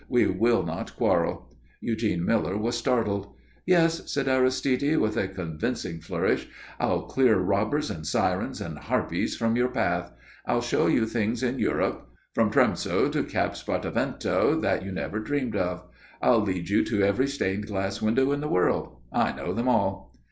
We will not quarrel." Eugene Miller was startled. "Yes," said Aristide, with a convincing flourish. "I'll clear robbers and sirens and harpies from your path. I'll show you things in Europe from Tromsö to Cap Spartivento that you never dreamed of. I'll lead you to every stained glass window in the world. I know them all."